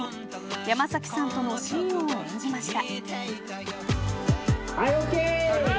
山崎さんとのシーンを演じました。